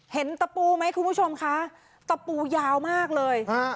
ตะปูไหมคุณผู้ชมคะตะปูยาวมากเลย